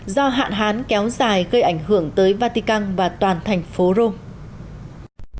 do hạn hán kéo dài gây ảnh hưởng tới vatican và toàn thành phố rome